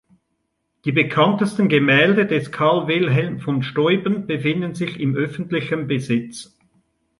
Die bekanntesten Gemälde des Carl Wilhelm von Steuben befinden sich in öffentlichem Besitz.